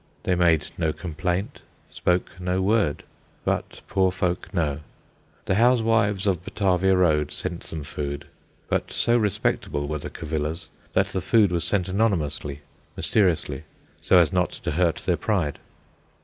They made no complaint, spoke no word; but poor folk know. The housewives of Batavia Road sent them food, but so respectable were the Cavillas that the food was sent anonymously, mysteriously, so as not to hurt their pride.